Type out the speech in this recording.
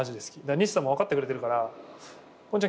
西さんも分かってくれてるから「ゴンちゃん